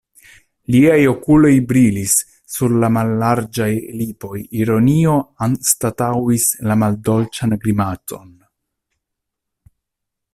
Liaj okuloj brilis, sur la mallarĝaj lipoj ironio anstataŭis la maldolĉan grimacon.